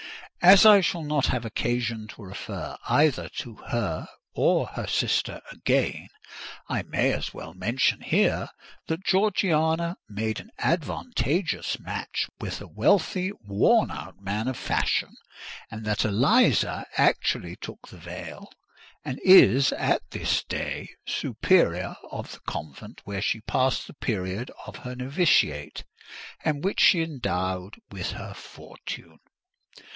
As I shall not have occasion to refer either to her or her sister again, I may as well mention here, that Georgiana made an advantageous match with a wealthy worn out man of fashion, and that Eliza actually took the veil, and is at this day superior of the convent where she passed the period of her novitiate, and which she endowed with her fortune.